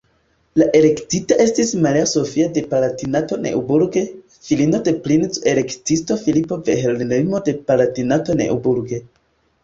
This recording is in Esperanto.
La elektita estis Maria Sofia de Palatinato-Neuburg, filino de princo-elektisto Filipo Vilhelmo de Palatinato-Neuburg.